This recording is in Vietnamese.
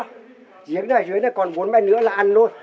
chiếc này dưới này còn bốn mét nữa là ăn thôi